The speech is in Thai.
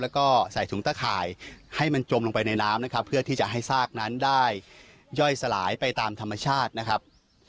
แล้วก็ใส่ถุงตะข่ายให้มันจมลงไปในน้ำนะครับ